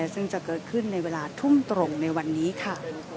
ซึ่งจะเกิดขึ้นในเวลาทุ่มตรงในวันนี้ค่ะ